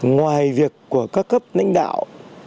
ngoài việc của các cấp nãnh đạo